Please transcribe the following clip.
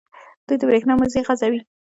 دوی د بریښنا مزي غځوي.